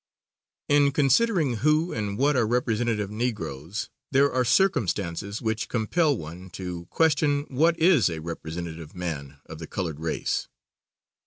In considering who and what are representative Negroes there are circumstances which compel one to question what is a representative man of the colored race.